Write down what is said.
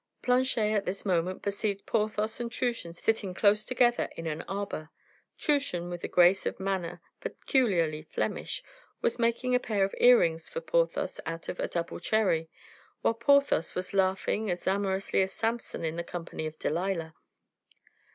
Planchet at this moment perceived Porthos and Truchen sitting close together in an arbor; Truchen, with a grace of manner peculiarly Flemish, was making a pair of earrings for Porthos out of a double cherry, while Porthos was laughing as amorously as Samson in the company of Delilah.